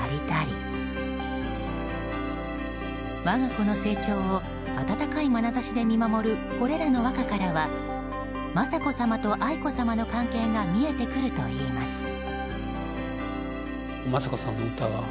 我が子の成長を温かいまなざしで見守るこれらの和歌からは雅子さまと愛子さまの関係が見えてくるといいます。